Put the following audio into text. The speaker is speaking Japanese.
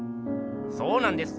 そうなんです。